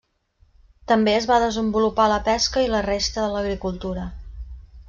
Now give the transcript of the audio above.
També es va desenvolupar la pesca i la resta de l'agricultura.